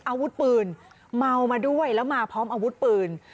อาวุธปืนเมามาด้วยแล้วมาพร้อมอาวุธปืน